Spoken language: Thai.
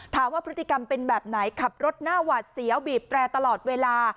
ถามว่าพฤติกรรมเป็นแบบไหนขับรถหน้าหวาดเสียวบีบแตรตลอดเวลา